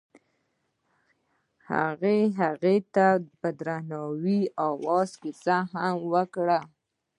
هغه هغې ته په درناوي د اواز کیسه هم وکړه.